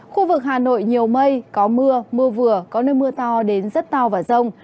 khu vực hà nội nhiều mây có mưa mưa vừa có nơi mưa to đến rất to và rông